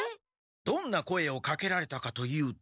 どんな声をかけられたかというと。